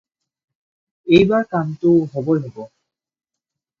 এইবাৰ কামটো হ'বই হ'ব।